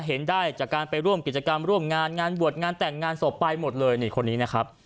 เห็นได้จากการไปร่วมกิจกรรมร่วมงานงานบวชงานแต่งงานศพไปหมดเลยนี่คนนี้นะครับ